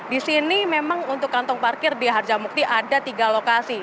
di sini memang untuk kantong parkir di harjamukti ada tiga lokasi